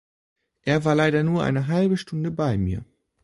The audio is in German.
Er war leider nur eine halbe Stunde bei mir.